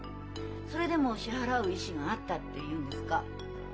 それでも「支払う意思があった」って言うんですか？